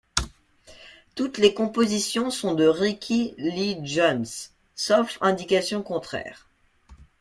Toutes les compositions sont de Rickie Lee Jones, sauf indication contraire.